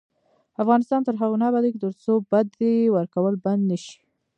افغانستان تر هغو نه ابادیږي، ترڅو بدی ورکول بند نشي.